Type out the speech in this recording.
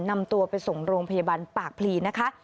นำตัวไปส่งโรงพยาบาลปากพลีนะคะ